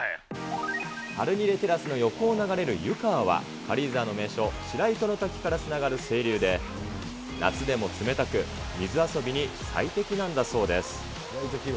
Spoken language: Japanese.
ハルニレテラスの横を流れる湯川は、軽井沢の名所、白糸の滝からつながる清流で、夏でも冷たく、水遊びに最適なんだそうです。